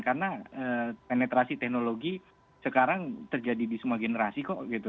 karena penetrasi teknologi sekarang terjadi di semua generasi kok gitu